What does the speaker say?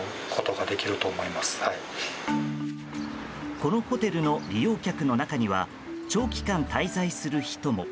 このホテルの利用客の中には長期間滞在する人も。